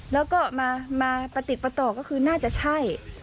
แล้วก็มาประติดประต่อก็คือน่าจะใช่